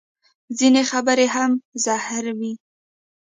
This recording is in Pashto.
ځینې خبرې هم زهر وي